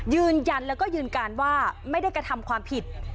ยืนยันแล้วก็ยืนการว่าไม่ได้กระทำความผิด